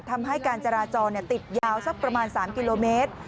ทำให้การจราจรติดยาวสักประมาณ๓กิโลเมตร